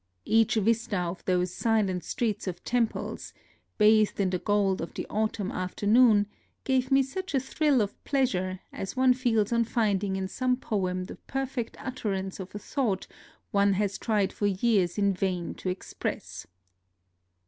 Eaxili vista of those silent streets of temples, bathed in the gold of the autumn after noon, gave me just such a thrill of pleasure as one feels on finding in some poem the perfect utterance of a thought one has tried for years in vain to express.